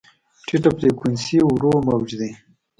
ټیټه فریکونسي ورو موج دی.